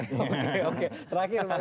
oke oke terakhir pak any